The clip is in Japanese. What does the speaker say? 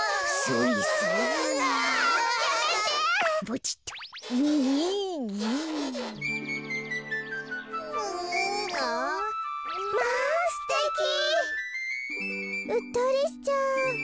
うっとりしちゃう。